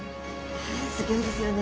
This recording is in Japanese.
すギョいですよね。